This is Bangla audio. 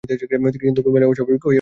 কিন্তু গোলেমালে অস্বাভাবিক হয়ে উঠেছি।